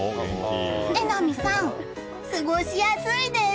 榎並さん、過ごしやすいです！